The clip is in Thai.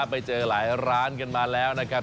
ไปเจอหลายร้านกันมาแล้วนะครับ